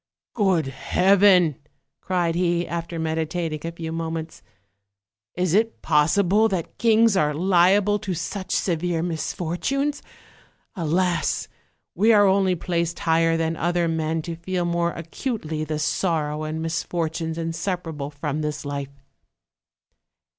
"Good Heaven!" cried he, after meditating a few mo ments, "is it possible that kings are liable to such severe misfortunes? Alas! we are only placed higher than other men to feel more acutely the sorrow and misfortunes inseparable from this life."